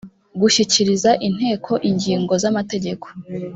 gushyikiriza inteko ingingo z amategeko